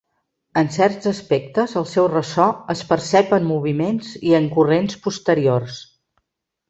En certs aspectes el seu ressò es percep en moviments i en corrents posteriors.